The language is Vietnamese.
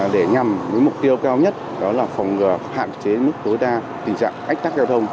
để nhằm mục tiêu cao nhất đó là phòng ngừa hạn chế nước tối đa tình trạng ách tắc giao thông